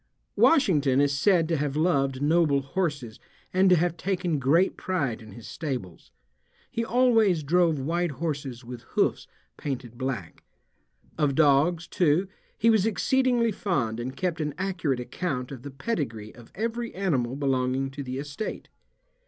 Washington is said to have loved noble horses and to have taken great pride in his stables. He always drove white horses with hoofs painted black. Of dogs, too, he was exceedingly fond and kept an accurate account of the pedigree of every animal belonging to the estate.